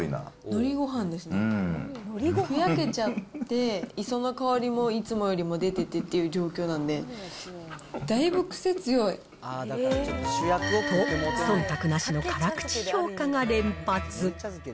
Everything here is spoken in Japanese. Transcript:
のりがふやけちゃって、磯の香りもいつもよりも出ててっていう状況なんで、だいぶ癖強いと、そんたくなしの辛口評価が連発。